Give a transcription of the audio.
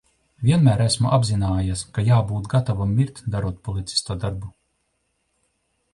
Vienmēr esmu apzinājies, ka jābūt gatavam mirt, darot policista darbu.